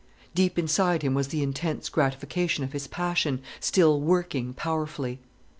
Deep inside him was the intense gratification of his passion, still working powerfully.